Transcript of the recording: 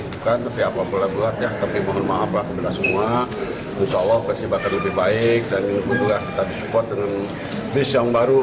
bukan tapi apa boleh buat ya tapi mohon maaf lah kepada semua insya allah persib akan lebih baik dan semoga kita disupport dengan bis yang baru